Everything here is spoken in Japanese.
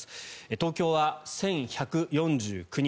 東京は１１４９人。